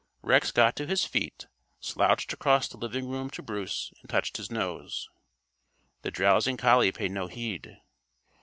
Rex got to his feet, slouched across the living room to Bruce and touched his nose. The drowsing collie paid no heed.